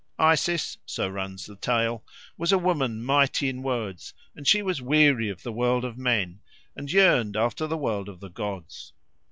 Isis, so runs the tale, was a woman mighty in words, and she was weary of the world of men, and yearned after the world of the gods.